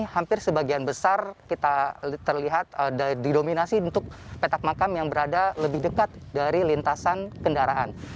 hampir sebagian besar kita terlihat didominasi untuk petak makam yang berada lebih dekat dari lintasan kendaraan